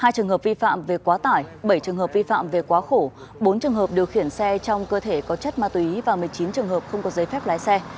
hai mươi trường hợp vi phạm về quá tải bảy trường hợp vi phạm về quá khổ bốn trường hợp điều khiển xe trong cơ thể có chất ma túy và một mươi chín trường hợp không có giấy phép lái xe